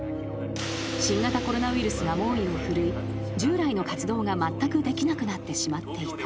［新型コロナウイルスが猛威を振るい従来の活動がまったくできなくなってしまっていた］